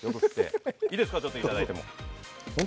いいですか、ちょっといただいても。